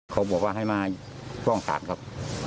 เขาบอกว่าให้มาฟ้องศาลครับ